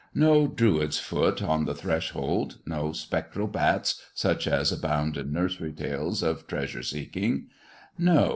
No Druid's foot on the threshold; no spectral bats such as abound in nursery tales of treasure seeking. No!